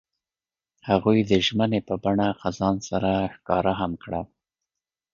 هغوی د ژمنې په بڼه خزان سره ښکاره هم کړه.